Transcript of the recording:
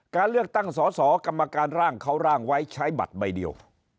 การเลือกตั้งสอสอกรรมการร่างเขาร่างไว้ใช้บัตรใบเดียว